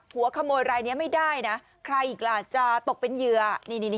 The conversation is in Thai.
หัวขโมยรายนี้ไม่ได้นะใครอีกล่ะจะตกเป็นเหยื่อนี่นี่